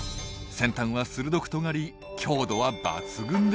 先端は鋭くとがり強度は抜群です。